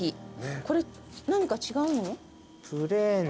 これ何か違うの？